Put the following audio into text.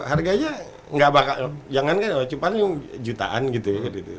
harganya nggak bakal jangan kan cuma jutaan gitu ya